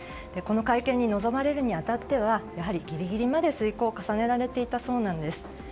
この会見に臨まれるに当たってはやはりギリギリまで推敲を重ねられていたそうなんです。